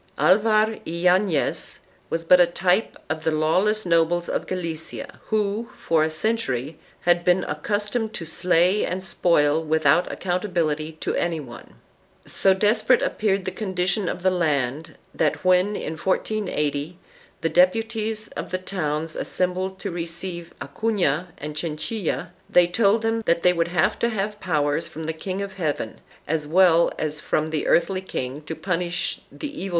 Alvar Yanez was but a type of the law * less nobles of Galicia who, for a century, had been accustomed to slay and spoil without accountability to any one. So desperate appeared the condition of the land that when, in 1480, the deputies of the towns assembled to receive Acufia and Chinchilla they told them that they would have to have powers from the King of Heaven as well as from the earthly king to punish the evil doers 1 Pulgar, Cronica, P. n, cap. Ixx. — Ml.